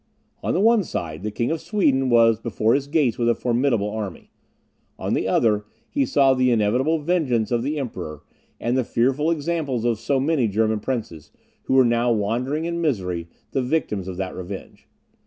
On the one side, the King of Sweden was before his gates with a formidable army; on the other, he saw the inevitable vengeance of the Emperor, and the fearful example of so many German princes, who were now wandering in misery, the victims of that revenge.